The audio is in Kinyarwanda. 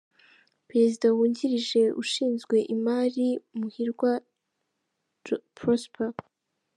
Perezida wungirije ushinzwe imari: Muhirwa Prosper.